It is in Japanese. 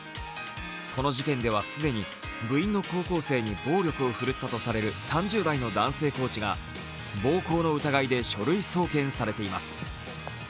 この事件では既に部員の高校生に暴力を振るったとされる３０代の男性コーチが暴行の疑いで書類送検されています。